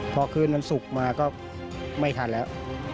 พอคืนวันศุกร์มาก็ไม่ทันแล้ว